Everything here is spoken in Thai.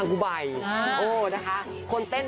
อ่ะผิดคำพูดที่ไหนคุณผู้ชม